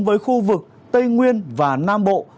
với khu vực tây nguyên và nam bộ